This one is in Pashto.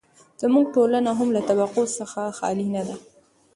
زموږ ټولنه هم له طبقو څخه خالي نه ده.